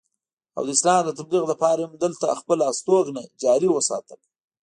او د اسلام د تبليغ دپاره ئې هم دلته خپله استوګنه جاري اوساتله